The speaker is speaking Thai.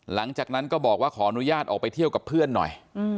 หลังจากนั้นก็บอกว่าขออนุญาตออกไปเที่ยวกับเพื่อนหน่อย